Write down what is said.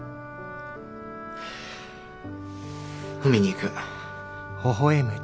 海に行く。